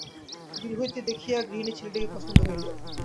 দূর হইতে দেখিয়া গৃহিণীর ছেলেটিকে পছন্দ হইল।